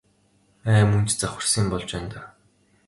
Ай мөн ч завхарсан юм болж байна даа.